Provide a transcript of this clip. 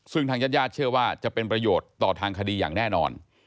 ซึ่งทางญาติญาติเชื่อว่าจะเป็นประโยชน์ต่อทางคดีอย่างแน่นอน